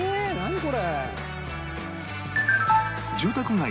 これ。